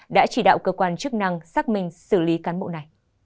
đã chỉ đạo cơ quan chức năng xác minh xử lý cán bộ này